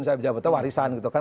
saya bisa betul warisan gitu kan